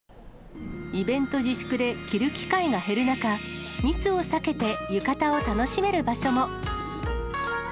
イベント自粛で着る機会が減る中、密を避けて浴衣を楽しめる場所も。